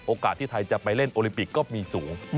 ที่ไทยจะไปเล่นโอลิมปิกก็มีสูง